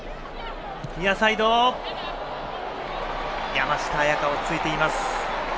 山下杏也加、落ち着いています。